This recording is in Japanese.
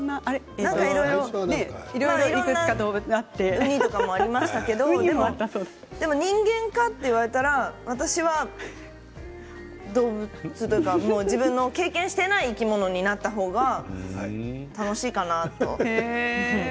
いろんなのがありましたけれどもでも、人間かと言われたら私は動物というか自分の経験していない生き物になった方が楽しいかなと。